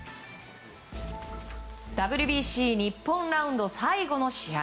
ＷＢＣ日本ラウンド最後の試合。